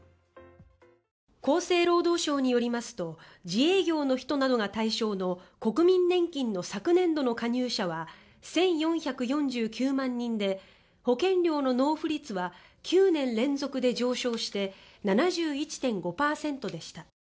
厚生労働省によりますと自営業の人などが対象の国民年金の昨年度の加入者は１４４９万人で保険料の納付率は９年連続で上昇して７１．５％でした。